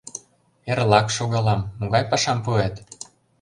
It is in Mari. Эрлак шогалам, могай пашам пуэт?